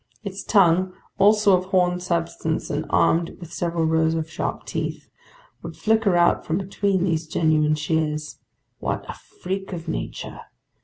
Its tongue, also of horn substance and armed with several rows of sharp teeth, would flicker out from between these genuine shears. What a freak of nature!